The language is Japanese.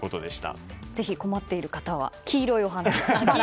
ぜひ困っている方は黄色いお花。